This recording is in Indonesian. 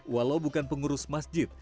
walau bukan pengurus masjid